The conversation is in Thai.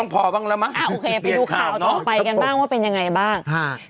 ภวร์ชุ้ยไว้ก่อนของเราไม่เหงาวาง